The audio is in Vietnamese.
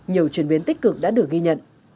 nhiều chuyển biến tích cực đã được ghi nhận